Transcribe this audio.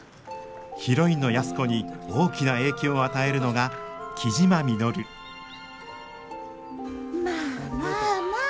ヒロインの安子に大きな影響を与えるのが雉真稔まあまあまあ。